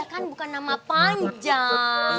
kan bukan nama panjang